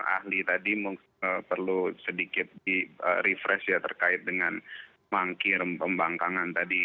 ahli tadi perlu sedikit di refresh ya terkait dengan mangkir pembangkangan tadi